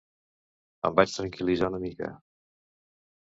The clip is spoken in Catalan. Em vaig tranquil·litzar una mica.